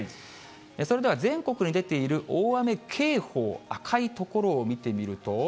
それでは全国に出ている大雨警報、赤い所を見てみると。